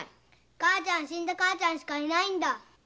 母ちゃんは死んだ母ちゃんしかいないんだ。